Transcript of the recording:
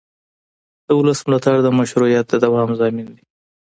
د ولس ملاتړ د مشروعیت د دوام ضامن دی